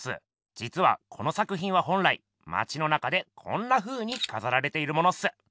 じつはこの作品は本来まちの中でこんなふうにかざられているものっす。